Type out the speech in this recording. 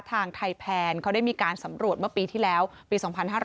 ทางไทยแพนเขาได้มีการสำรวจเมื่อปีที่แล้วปี๒๕๕๙